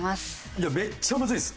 いやめっちゃむずいっす。